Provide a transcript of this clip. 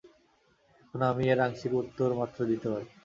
এখন আমি এর আংশিক উত্তর মাত্র দিতে পারি।